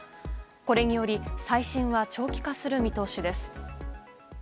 これにより再審は長期化する見通しです。